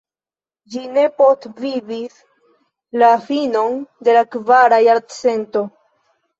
Ĝi ne postvivis la finon de la kvara jarcento.